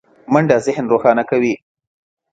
منډه ذهن روښانه کوي